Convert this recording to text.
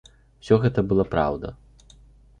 І ўсё гэта была праўда.